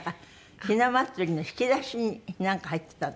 ひな祭りの引き出しになんか入ってた？